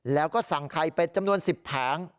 แล้วก็สั่งไข่เป็ดจำนวน๑๐แผง